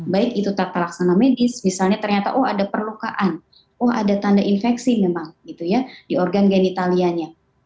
baik itu tata laksana medis misalnya ternyata oh ada perlukaan oh ada tanda infeksi memang gitu ya di organ genitalianya